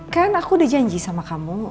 kan aku udah janji sama kamu